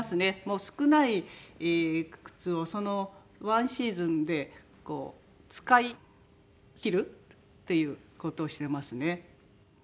少ない靴をそのワンシーズンで使いきるっていう事をしてますね。